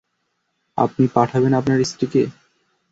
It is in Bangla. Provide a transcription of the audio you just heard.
আপনি পাঠাবেন আপনার স্ত্রীকে?